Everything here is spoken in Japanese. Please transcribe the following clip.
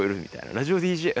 ラジオＤＪ？え？